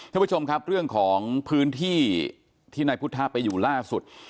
ท่านผู้ชมครับเรื่องของพื้นที่ที่นายพุทธะไปอยู่ล่าสุด